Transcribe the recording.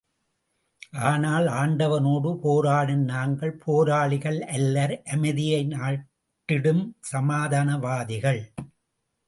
ஆனால், ஆண்டவனோடு போராடும் நாங்கள் போராளிகள் அல்லர் அமைதியை நாட்டிடும் சமாதானவாதிகள்.